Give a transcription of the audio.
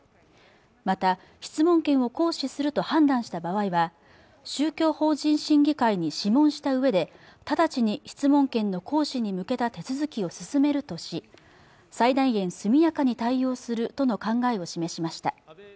また質問権を行使すると判断した場合は宗教法人審議会に諮問したうえで直ちに質問権の行使に向けた手続きを進めるとし最大限速やかに対応するとの考えを示しました